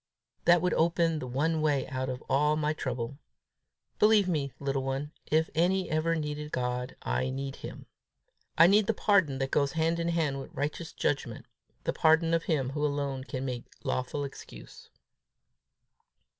That would open the one way out of all my trouble. Believe me, little one, if any ever needed God, I need him. I need the pardon that goes hand in hand with righteous judgment, the pardon of him who alone can make lawful excuse."